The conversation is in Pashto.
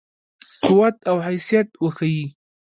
قوت او حیثیت وښيي.